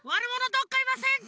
どっかいませんか？